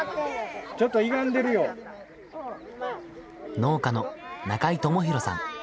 農家の中井知広さん。